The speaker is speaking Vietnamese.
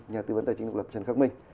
nhà tư vấn tài chính độc lập trần khắc minh